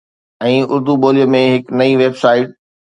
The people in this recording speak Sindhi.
۽ اردو ٻولي ۾ هڪ نئين ويب سائيٽ